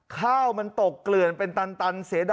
ข้าวมันตกเกลือนเป็นตันและเสด